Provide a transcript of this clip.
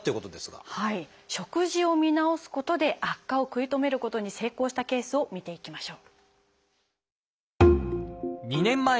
食事を見直すことで悪化を食い止めることに成功したケースを見ていきましょう。